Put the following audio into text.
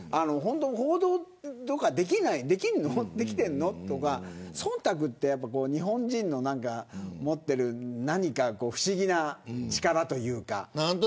報道とかできてるのとか忖度って日本人の持っている不思議な力というか。